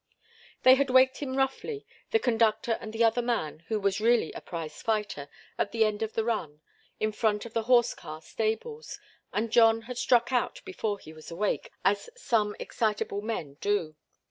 They had waked him roughly, the conductor and the other man, who was really a prize fighter, at the end of the run, in front of the horse car stables, and John had struck out before he was awake, as some excitable men do.